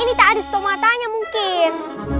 ini tak ada stomatanya mungkin